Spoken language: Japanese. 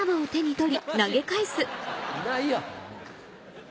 いないよ！